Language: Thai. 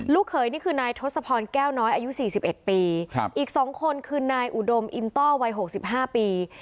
ลูกเขยนี่คือนายทศพรแก้วน้อยอายุสี่สิบเอ็ดปีอีกสองคนคือนายอุดมอินต้อวัยหกสิบห้าปี